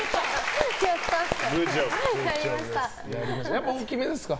やっぱり大きめですか？